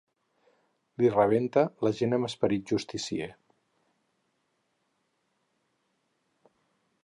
Li rebenta la gent amb esperit justicier.